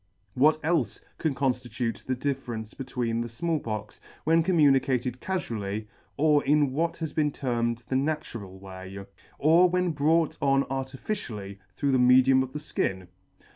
What elfe can conftitute the dif ference between the Small Pox when communicated cafually, or in what has been termed the natural way, or when brought on artificially through the medium of the fkin?